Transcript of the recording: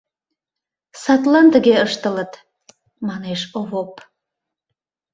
Садлан тыге ыштылыт, — манеш Овоп.